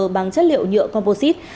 bằng chất liệu nhựa composite